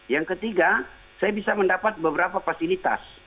yang ketiga saya bisa mendapat beberapa fasilitas